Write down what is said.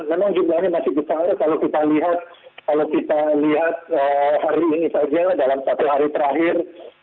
memang jumlahnya masih besar kalau kita lihat hari ini saja dalam satu hari terakhir